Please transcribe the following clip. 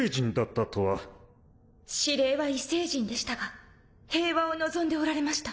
法司令は異星人でしたが平和を望んでおられました。